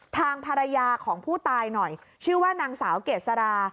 ทางภรรยาของผู้ตายหน่อยชื่อว่านางสาวเกษรา